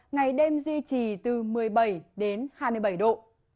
ngày đêm duy trì từ một mươi bảy đến hai mươi bảy độ